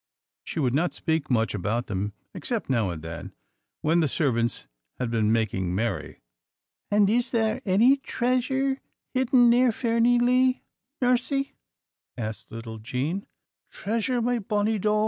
She would not speak much about them, except now and then, when the servants had been making merry. "And is there any treasure hidden near Fairnilee, nursie?" asked little Jean. "Treasure, my bonny doo!